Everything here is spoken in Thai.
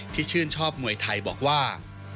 ที่ชื่นชอบมวยไทยบอกว่า